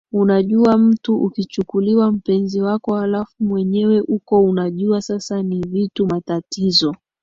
unajua mtu ukichukuliwa mpenzi wako halafu mwenyewe uko unajua sasa ni vitu matatizo